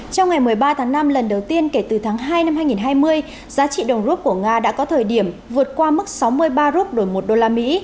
trong ngày một mươi ba tháng năm lần đầu tiên kể từ tháng hai năm hai nghìn hai mươi giá trị đồng rút của nga đã có thời điểm vượt qua mức sáu mươi ba rup đổi một đô la mỹ